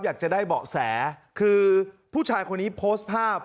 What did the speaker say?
อยากจะได้เบาะแสคือผู้ชายคนนี้โพสต์ภาพ